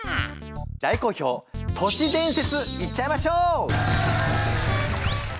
大好評年伝説いっちゃいましょう！